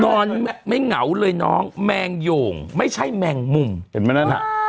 นอนไม่เหงาเลยน้องแมงโยงไม่ใช่แมงมุมเห็นไหมนั่นอ่ะ